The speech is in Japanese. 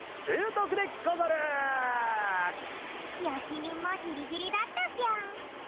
よし忍もギリギリだったぴょん。